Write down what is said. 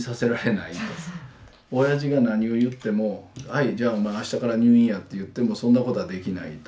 オヤジが何を言っても「はいじゃあお前あしたから入院や」って言ってもそんなことはできないと。